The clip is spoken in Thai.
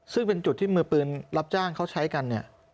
ซึ่งเป็นจุดที่มือปืนรับจ้างเขาใช้กันเนี่ย